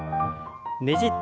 ねじって。